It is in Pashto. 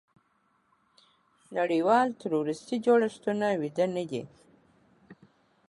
نړیوال تروریستي جوړښتونه ویده نه دي.